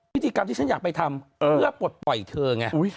พิธีกรรมที่ฉันอยากไปทำเพื่อปลดปล่อยเธอไง